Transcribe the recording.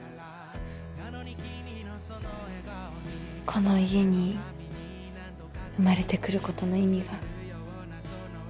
この家に生まれてくることの意味が。